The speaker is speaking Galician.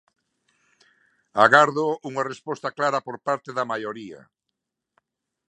Agardo unha resposta clara por parte da maioría.